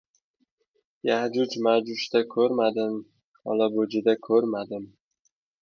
Ya’juj-ma’juj-da ko‘rmadim, olabo‘ji-da ko‘rma- dim.